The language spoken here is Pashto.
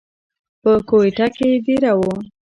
پۀ کوئټه کښې دېره وو،